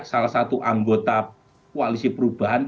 salah satu anggota koalisi perubahan